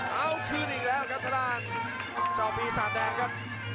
เอ้าคืนอีกแล้วครับสดานเจ้าปีศาสตร์แดงครับ